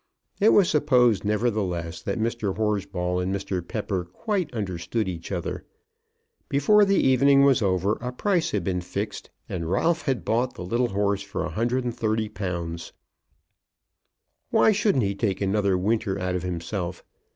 It was supposed, nevertheless, that Mr. Horsball and Mr. Pepper quite understood each other. Before the evening was over, a price had been fixed, and Ralph had bought the little horse for £130. Why shouldn't he take another winter out of himself?